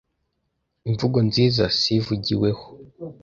Imvugo nziza si ivugiweho